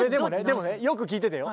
でもねよく聴いててよ。